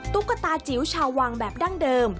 ตุ๊กตาจิ๋วชาววังแบบดั้งเดิม